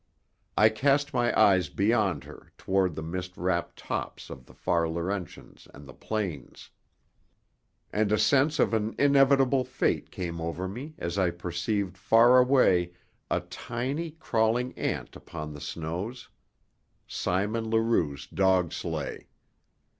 I cast my eyes beyond her toward the mist wrapped tops of the far Laurentians and the plains. And a sense of an inevitable fate came over me as I perceived far away a tiny, crawling ant upon the snows Simon Leroux's dog sleigh.